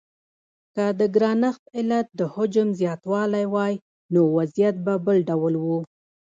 که د ګرانښت علت د حجم زیاتوالی وای نو وضعیت به بل ډول و.